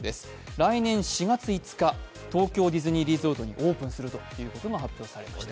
来年４月５日、東京ディズニーリゾートにオープンするということが発表されました。